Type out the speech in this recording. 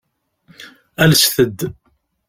Alset-d.